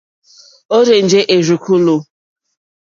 Ó rzènjé rzùkúlù.